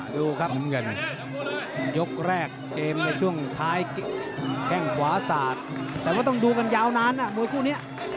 ดูครับยกแรกเกมในช่วงท้ายแข่งขวาศาสตร์แต่ว่าต้องดูกันยาวนานนะมวยคู่นี้